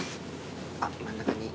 あっ真ん中に。